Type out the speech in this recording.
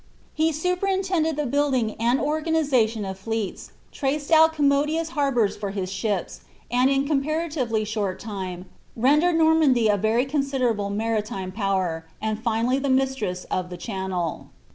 * He superintended the building and organization of fleets, traced out commodious harbours for his ships, and in a com paratively short time rendered Normandy a very considerable maritime power, and finally the mistress of the Channel.